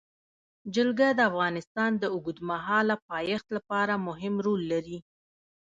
جلګه د افغانستان د اوږدمهاله پایښت لپاره مهم رول لري.